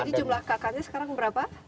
jadi jumlah kakaknya sekarang berapa